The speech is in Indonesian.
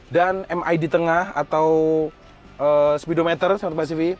dan mid tengah atau speedometer sama kcv